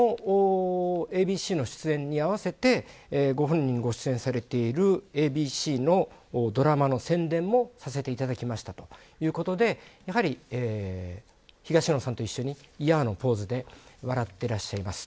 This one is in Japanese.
このＡＢＣの出演に合わせてご本人がご出演されているＡＢＣのドラマの宣伝もさせていただきましたということで東野さんと一緒にヤーのポーズで笑っていらっしゃいます。